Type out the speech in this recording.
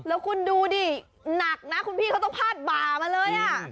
แล้วคุณดูดิหนักนะคุณพี่เขาต้องพาดบ่ามาเลย